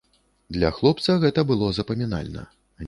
Для хлопца гэта было запамінальна.